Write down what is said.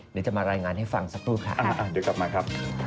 เดี๋ยวจะมารายงานให้ฟังสักครู่ค่ะ